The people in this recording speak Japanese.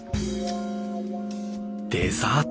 デザート